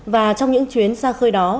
và trong những chuyến xa khơi đó